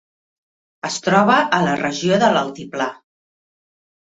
Es troba a la regió de l'altiplà.